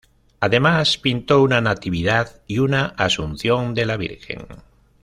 Además pintó una "Natividad" y una "Asunción de la Virgen".